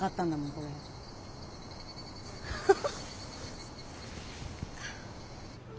これハハ。